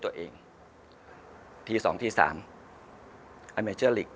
ตัวเองทีสองทีสาม